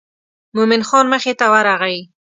مومن خان مخې ته ورغی.